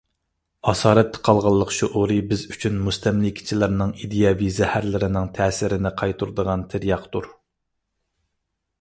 «ئاسارەتتە قالغانلىق» شۇئۇرى بىز ئۈچۈن مۇستەملىكىچىلەرنىڭ ئىدىيەۋى زەھەرلىرىنىڭ تەسىرىنى قايتۇرىدىغان تىرياقتۇر.